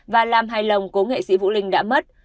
và làm hài lòng cố nghệ sĩ vũ linh đã mất